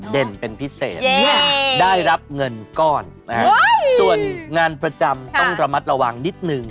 ได้ศรเสร็จก็เดินดงเลย